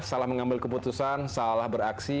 salah mengambil keputusan salah beraksi